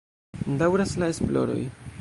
Daŭras la esploroj.